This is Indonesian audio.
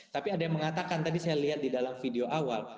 tapi ada yang mengatakan tadi saya lihat di dalam video awal